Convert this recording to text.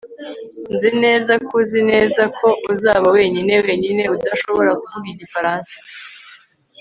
nzi neza ko uzi neza ko uzaba wenyine wenyine udashobora kuvuga igifaransa